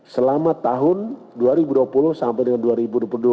selama tahun dua ribu dua puluh sampai dengan dua ribu dua puluh dua